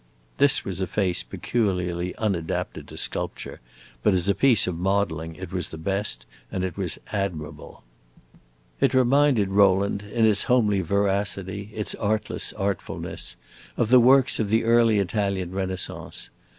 This was a face peculiarly unadapted to sculpture; but as a piece of modeling it was the best, and it was admirable. It reminded Rowland in its homely veracity, its artless artfulness, of the works of the early Italian Renaissance.